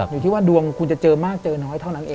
อยู่ที่ว่าดวงคุณจะเจอมากเจอน้อยเท่านั้นเอง